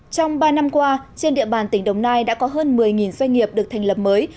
trong ba năm qua trên địa bàn tỉnh đồng nai đã có hơn một mươi doanh nghiệp được thành lập mới